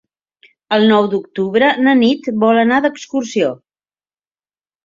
El nou d'octubre na Nit vol anar d'excursió.